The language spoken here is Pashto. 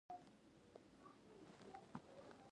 د زړه آواز هم اورېدل کېږي.